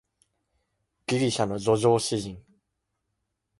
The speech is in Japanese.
ギリシャの叙情詩人